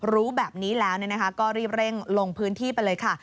รู้แบบนี้แล้วก็รีบเร่งลงพื้นที่ไปเลยค่ะ